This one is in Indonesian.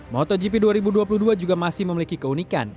motogp dua ribu dua puluh dua juga masih memiliki keunikan